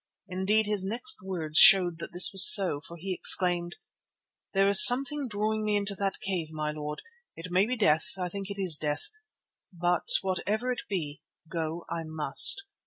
Indeed his next words showed that this was so, for he exclaimed: "'There is something drawing me into that cave, my lord. It may be death; I think it is death, but whatever it be, go I must.